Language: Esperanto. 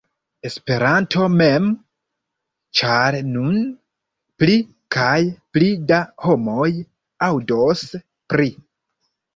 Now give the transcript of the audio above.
Esperanto mem, ĉar nun pli kaj pli da homoj aŭdos pri